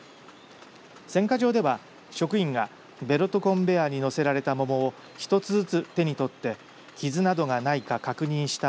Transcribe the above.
選果場では職員がベルトコンベアに載せられた桃を１つずつ手に取って傷などがないか確認した